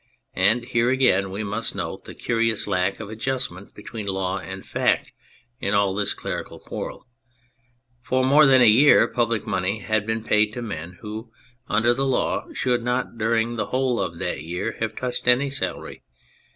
And here again we must note the curious lack of adjustment between law and fact in all this clerical quarrel ! For more than a year public money had been paid to men who, under the law, should not during the whole of that year have touched any salary